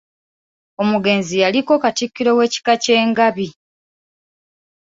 Omugenzi yaliko Katikkiro w’ekika ky’e Ngabi.